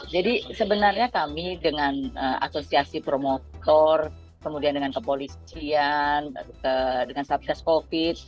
jadi sebenarnya kami dengan asosiasi promotor kemudian dengan kepolisian dengan sasaran covid